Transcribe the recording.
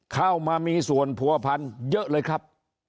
เข้ามามีส่วนผัวพันเยอะเลยครับ